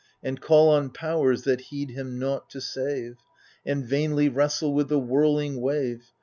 And call on Powers, that heed him nought, to save, And vainly wrestle with the whirling wave.